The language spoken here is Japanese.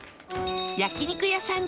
焼肉屋さん